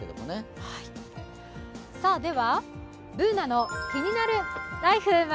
では、「ＢｏｏｎａのキニナルＬＩＦＥ」。